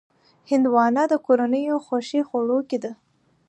هندوانه د کورنیو خوښې خوړو کې ده.